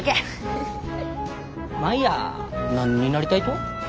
舞や何になりたいと？